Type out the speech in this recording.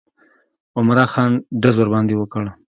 عمرا خان ډز ورباندې وکړ.